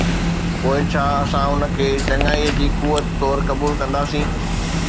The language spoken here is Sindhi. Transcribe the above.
پوءِ ڇا اسان ان کي چڱائي جي قوت طور قبول ڪنداسين؟